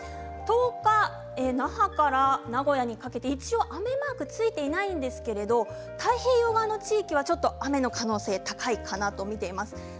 １０日、那覇から名古屋にかけて一応、雨マークついているんですが太平洋側の地域は雨の可能性が高いかなと見ています。